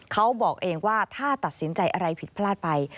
เขาบอกเองว่าถ้าตัดสินใจอะไรผิดพลาดไป